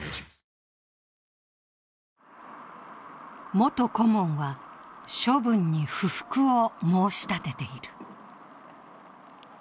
元顧問は、処分に不服を申し立てている。